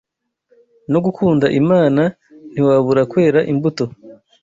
no gukunda Imana, ntiwabura kwera imbuto.